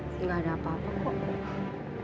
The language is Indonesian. tidak ada apa apa kok